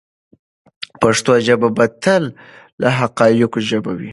پښتو ژبه به تل د حقایقو ژبه وي.